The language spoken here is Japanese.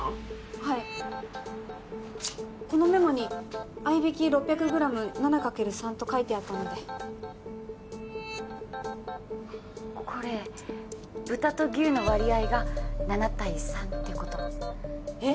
はいこのメモに「合い挽き６００ｇ７×３」と書いてあったのでこれ豚と牛の割合が７対３ってことえっ？